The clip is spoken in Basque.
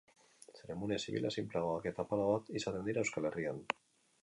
Zeremonia zibilak sinpleagoak eta apalagoak izaten dira Euskal Herrian.